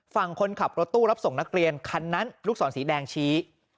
ฝั่งคนขับรถตู้รับส่งนักเรียนคันนั้นลูกศรสีแดงชี้